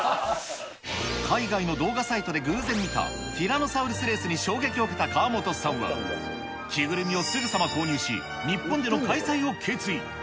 海外の動画サイトで偶然見た、ティラノサウルスレースに衝撃を受けた川本さんは、着ぐるみをすぐさま購入し、日本での開催を決意。